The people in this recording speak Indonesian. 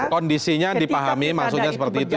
kondisinya dipahami maksudnya seperti itu ya